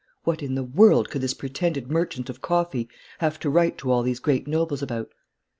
What in the world could this pretended merchant of coffee have to write to all these great notables about?